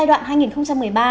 một mươi chín tháng năm